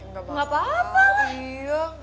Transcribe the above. enggak deh daripada kepedean nanti